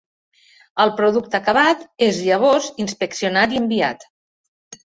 El producte acabat és llavors inspeccionat i enviat.